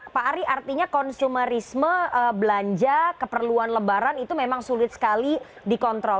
pak ari artinya konsumerisme belanja keperluan lebaran itu memang sulit sekali dikontrol